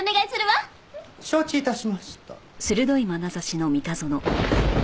承知致しました。